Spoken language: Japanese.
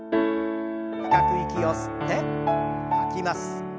深く息を吸って吐きます。